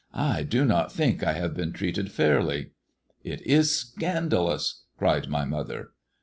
I do not think I have been treated fairly." "It is scandalous," cried my mother.